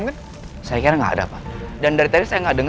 gak khawatir ini tante